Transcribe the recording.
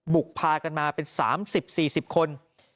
บุกพากันมาเป็น๓๐๔๐คน